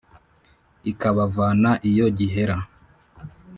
Ikabavana iyo gihera :